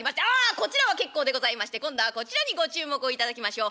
こちらは結構でございまして今度はこちらにご注目をいただきましょう。